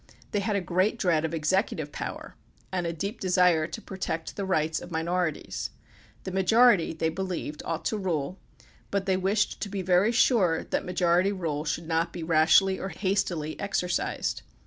They had a great dread of executive power and a deep desire to protect the rights of minor ities. The majority, they believed, ought to rule, but they wished to be very sure that majority rule should not be rashly or hastily exercised.